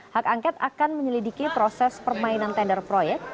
hak angket akan menyelidiki proses permainan tender proyek